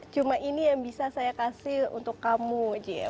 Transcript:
cuma ini yang bisa saya kasih untuk kamu aja ya